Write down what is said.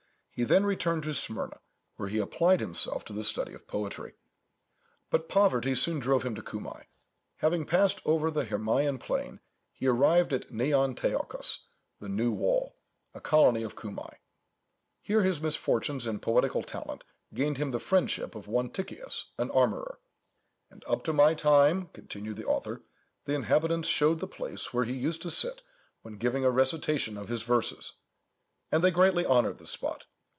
He then returned to Smyrna, where he applied himself to the study of poetry. But poverty soon drove him to Cumæ. Having passed over the Hermæan plain, he arrived at Neon Teichos, the New Wall, a colony of Cumæ. Here his misfortunes and poetical talent gained him the friendship of one Tychias, an armourer. "And up to my time," continued the author, "the inhabitants showed the place where he used to sit when giving a recitation of his verses, and they greatly honoured the spot.